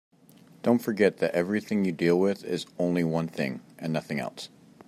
Don't forget that everything you deal with is only one thing and nothing else.